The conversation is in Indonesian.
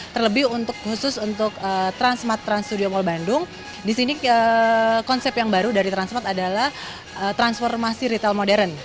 terlebih untuk khusus untuk transmat trans studio mall bandung disini konsep yang baru dari transmat adalah transformasi retail modern